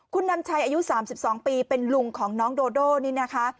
คุณนำชัยอายุ๓๒ปีเป็นลุงของน้องโดโดนี่นะคะ